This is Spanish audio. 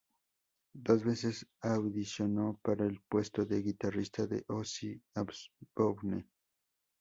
Dos veces audicionó para el puesto de guitarrista de Ozzy Osbourne.